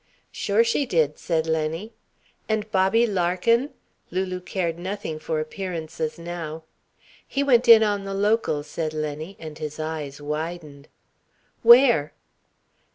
"Sure she did," said Lenny. "And Bobby Larkin?" Lulu cared nothing for appearances now. "He went in on the Local," said Lenny, and his eyes widened. "Where?"